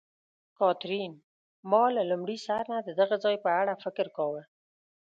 کاترین: ما له لومړي سر نه د دغه ځای په اړه فکر کاوه.